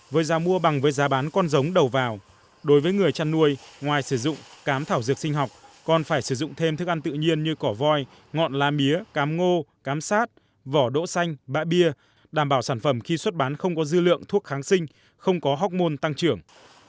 với giá mua bằng với giá bán con giống đầu vào đối với người chăn nuôi ngoài sử dụng cám thảo dược sinh học còn phải sử dụng thêm thức ăn tự nhiên như cỏ voi ngọn lá mía cám ngô cám sát vỏ đỗ xanh bã bia đảm bảo sản phẩm khi xuất bán không có dư lượng thuốc kháng sinh không có hóc môn tăng trưởng